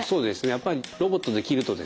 やっぱりロボットで切るとですね